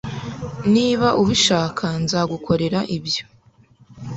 Niba ubishaka, nzagukorera ibyo.